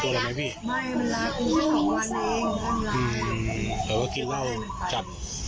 เขาเฮ็ดมานะ